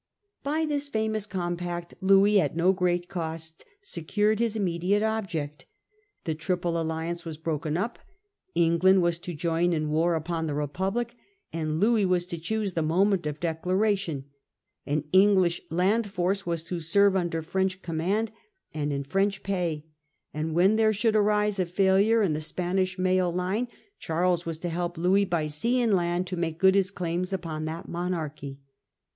By this famous compact Louis, at no great cost, secured his immediate object. The Triple Alliance was Its condi broken up. England was to join in war upon tions. the Republic, and Louis was to choose the moment of declaration ; an English land force was to serve under French command and in French pay ; and when there should arise a failure in the Spanish male line Charles was to help Louis by sea and land to make good his claims upon that monarchy.